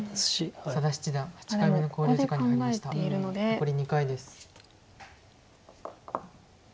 残り２回です。